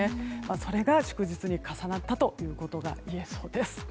それが、祝日に重なったということが言えそうです。